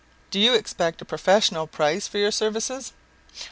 "Do you expect a professional price for your services?"